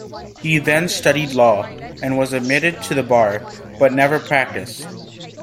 He then studied law, and was admitted to the bar, but never practiced.